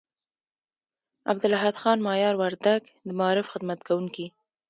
عبدالاحد خان مایار وردگ، د معارف خدمت کوونکي